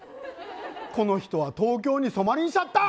この人は東京に染まりんしゃった！